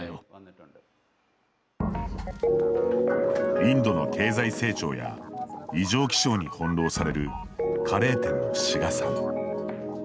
インドの経済成長や異常気象に翻弄されるカレー店の志賀さん。